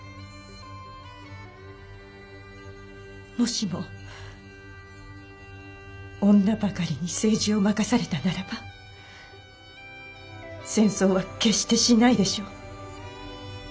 もしも女ばかりに政治を任されたならば戦争は決してしないでしょう。